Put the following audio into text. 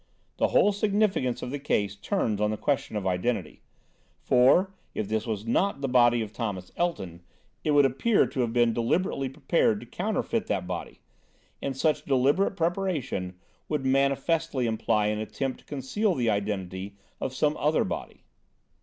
The whole significance of the case turns on the question of identity; for, if this was not the body of Thomas Elton, it would appear to have been deliberately prepared to counterfeit that body. And such deliberate preparation would manifestly imply an attempt to conceal the identity of some other body.